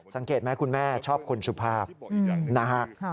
สังเกตไหมคุณแม่ชอบคนสุภาพนะฮะ